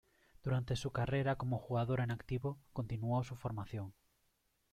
Durante su carrera como jugadora en activo, continuó su formación.